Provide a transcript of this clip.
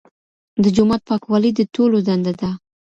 د جومات پاکوالی د ټولو دنده ده.